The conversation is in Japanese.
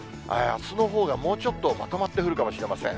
あすのほうがもうちょっとまとまって降るかもしれません。